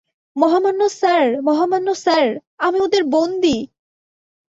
মহামান্য স্যার-- মহামান্য স্যার, আমি ওদের বন্দী!